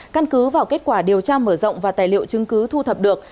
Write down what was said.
căn cứ vào kết quả điều tra mở rộng và tài liệu chứng cứ thu thập được